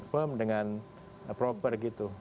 firm dengan proper gitu